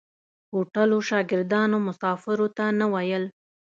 هوټلو شاګردانو مسافرو ته نه ویل.